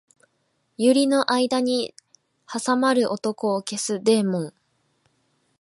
百合の間に挟まる男を消すデーモン